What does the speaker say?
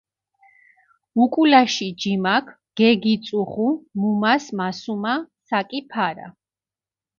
უკულაში ჯიმაქ გეგიწუღუ მუმას მასუმა საკი ფარა.